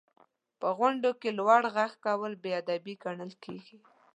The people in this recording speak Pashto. • په غونډو کې لوړ ږغ کول بې ادبي ګڼل کېږي.